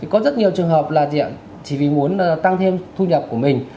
có rất nhiều trường hợp là chỉ vì muốn tăng thêm thu nhập của mình